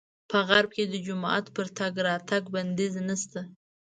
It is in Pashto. په غرب کې د جومات پر تګ راتګ بندیز نه شته.